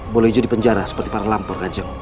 bolo ijo dipenjara seperti para lampor kanjeng